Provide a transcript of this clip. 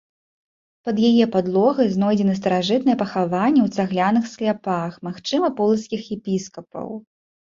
Пад яе падлогай знойдзены старажытныя пахаванні ў цагляных скляпах, магчыма, полацкіх епіскапаў.